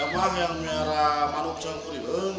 pemang yang melihara manuk sangkuri bang